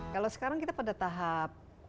kalau sekarang kita pada tahap